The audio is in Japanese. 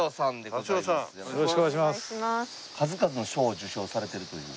数々の賞を受賞されてるという。